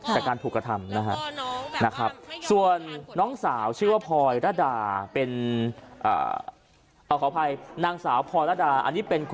แต่การถูกธรรมนะครับ